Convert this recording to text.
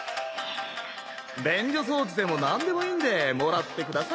便所掃除でも何でもいいんでもらっ